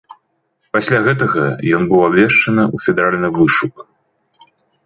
Пасля гэтага ён быў абвешчаны ў федэральны вышук.